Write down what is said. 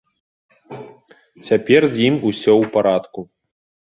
Цяпер з ім усё ў парадку.